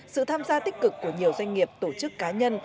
sự tham gia tích cực của nhiều doanh nghiệp tổ chức cá nhân